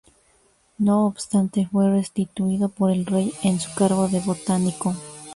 No obstante, fue restituido por el rey en su cargo de botánico.